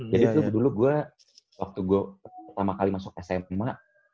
jadi itu dulu gue waktu gue pertama kali masuk sma